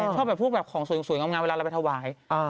ชอบแบบภูมิของสวยงามงานเวลาเราไปถาวาย